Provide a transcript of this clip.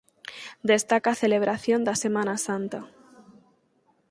Destaca a celebración da Semana Santa.